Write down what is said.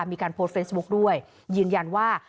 มีการโพสต์เฟซบุ๊คด้วยยืนยันว่า